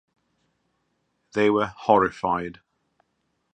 They were horrified.